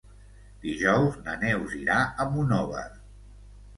Dijous na Neus irà a Monòver.